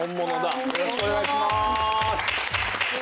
よろしくお願いします。